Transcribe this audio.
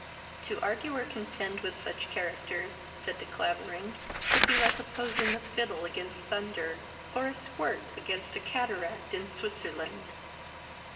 "To argue, or contend with such characters (said De Clavering) would be like opposing a fiddle against thunder, or a squirt against a cataract in Switzerland."